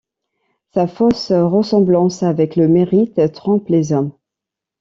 Sa fausse ressemblance avec le mérite trompe les hommes.